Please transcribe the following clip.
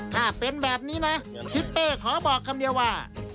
ถ้าเป็นแบบนี้นะทิศเป้ขอบอกคำเดียวว่า